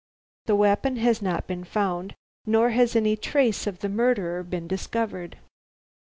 The weapon has not been found, nor has any trace of the murderer been discovered."